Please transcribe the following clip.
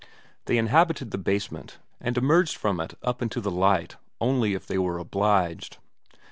They inhabited the basement, and emerged from it up into the light only if they were obliged.